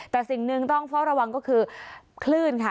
แต่สิ่งหนึ่งต้องเฝ้าระวังก็คือคลื่นค่ะ